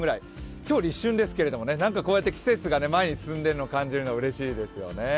今日、立春ですけどなんかこうやって季節が前に進んでいるのを感じるのはうれしいですね。